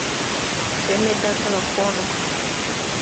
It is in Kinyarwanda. Bene Data bakundwa